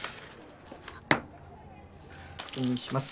確認します。